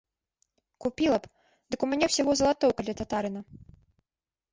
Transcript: Купіла б, дык у мяне ўсяго залатоўка для татарына.